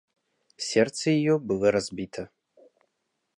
Сердце ее было разбито.